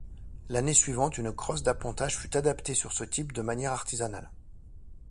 L'année suivante, une crosse d'appontage fut adaptée sur ce type de manière artisanale.